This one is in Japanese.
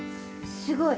すごい。